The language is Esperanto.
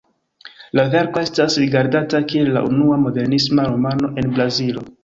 La verko estas rigardata kiel la unua "modernisma" romano en Brazilo.